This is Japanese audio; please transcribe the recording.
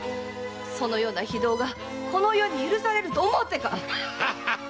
そのような非道がこの世に許されると思うてか！